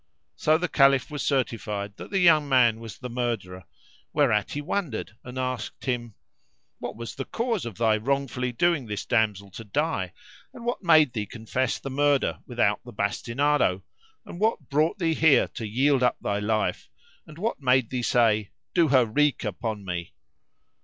So the Caliph was certified that the young man was the murderer; whereat he wondered and asked him, 'What was the cause of thy wrongfully doing this damsel to die and what made thee confess the murder without the bastinado, and what brought thee here to yield up thy life, and what made thee say Do her wreak upon me?"